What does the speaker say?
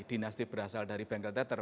dinasti berasal dari bengkel teater